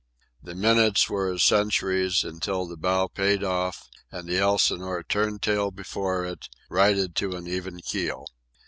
The minutes were as centuries, until the bow paid off and the Elsinore, turned tail before it, righted to an even keel.